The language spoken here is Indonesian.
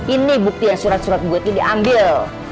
ini buktinya surat surat gue tuh diambil